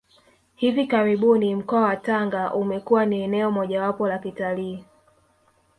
Hivi karibuni mkoa wa Tanga umekuwa ni eneo mojawapo la kitalii